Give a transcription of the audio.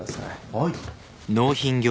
はい。